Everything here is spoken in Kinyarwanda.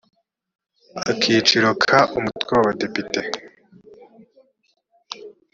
akiciro ka umutwe w abadepite